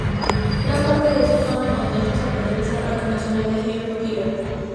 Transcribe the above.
Gran parte de su zona montañosa pertenece al Parque Nacional Henri Pittier.